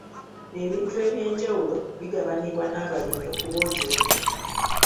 Ebintu eby'enjawulo bigabanibwa n'abalimi okuboogiwaza.